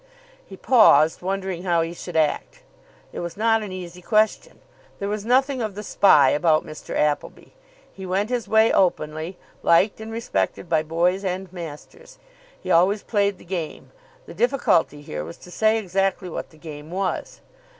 He paused, wondering how he should act. It was not an easy question. There was nothing of the spy about Mr. Appleby. He went his way openly, liked and respected by boys and masters. He always played the game. The difficulty here was to say exactly what the game was.